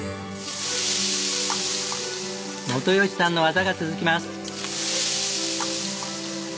元吉さんの技が続きます！